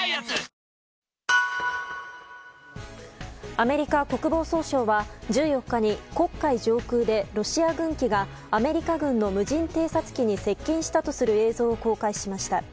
アメリカ国防総省は１４日に黒海上空でロシア軍機がアメリカ軍の無人偵察機に接近したとする映像を公開しました。